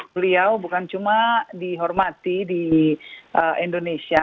beliau bukan cuma dihormati di indonesia